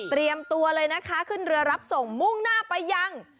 ตัวเลยนะคะขึ้นเรือรับส่งมุ่งหน้าไปยัง